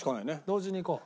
同時にいこう。